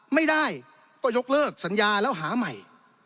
ไม่ได้ก็ยกเลิกสัญญาแล้วหาใหม่